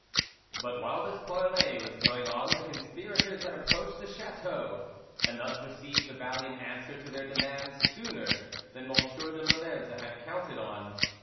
But while this parley was going on the conspirators had approached the chateau, and thus received the valiant answer to their demands sooner than M. de Laveze had counted on.